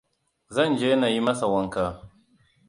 Zan je na yi masa wanka.